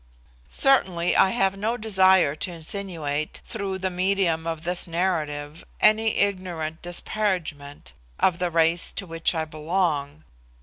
Certainly I have no desire to insinuate, through the medium of this narrative, any ignorant disparagement of the race to which I belong.